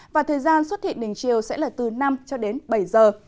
và thời gian xuất hiện đỉnh chiều sẽ là từ năm cho đến bảy giờ